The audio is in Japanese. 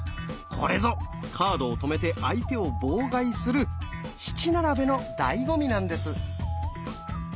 これぞカードを止めて相手を妨害する「七並べ」のだいご味なんです！